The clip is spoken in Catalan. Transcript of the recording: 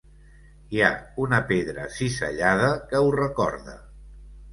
Hi ha una pedra cisellada que ho recorda.